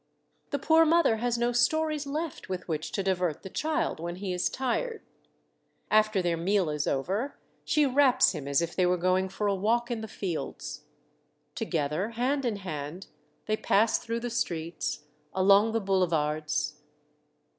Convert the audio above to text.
The poor mother has no stories left with which to divert the child when he is tired. After their meal is over, she wraps him as if they were going for a walk in the fields. Together, hand in hand, they pass through the streets, along the boulevards.